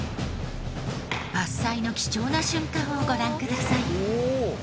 伐採の貴重な瞬間をご覧ください。